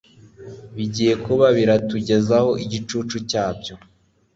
Ibigiye kuba biratugezaho igicucu cyabyo.